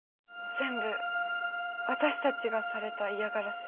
全部私たちがされた嫌がらせ。